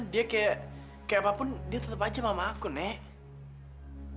dia kayak apapun dia tetap aja mama aku nek